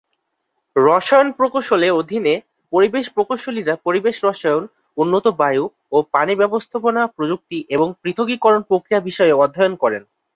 রসায়ন প্রকৌশলের অধীনে পরিবেশ প্রকৌশলীরা পরিবেশ রসায়ন, উন্নত বায়ু ও পানি ব্যবস্থাপনা প্রযুক্তি এবং পৃথকীকরণ প্রক্রিয়া বিষয়ে অধ্যয়ন করেন।